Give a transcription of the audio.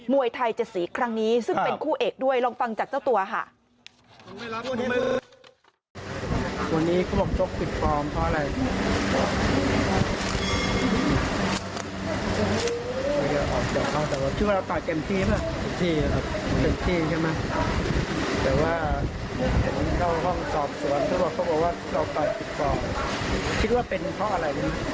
วยไทยจะสีครั้งนี้ซึ่งเป็นคู่เอกด้วยลองฟังจากเจ้าตัวค่ะ